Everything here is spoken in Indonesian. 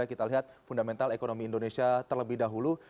kita lihat fundamental ekonomi indonesia terlebih dahulu